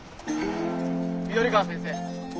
緑川先生